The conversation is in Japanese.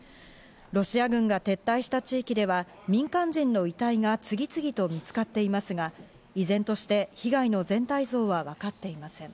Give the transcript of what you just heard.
ロシア軍が撤退した地域では民間人の遺体が次々と見つかっていますが、依然として被害の全体像はわかっていません。